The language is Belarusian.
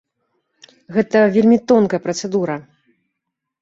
Гэта вельмі тонкая працэдура.